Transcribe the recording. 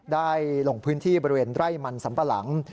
ลงพื้นที่บริเวณไร่มันสัมปะหลัง